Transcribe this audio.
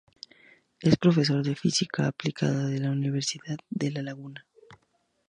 Es profesor de Física aplicada de la Universidad de La Laguna.